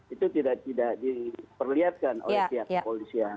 itu tidak diperlihatkan oleh pihak kepolisian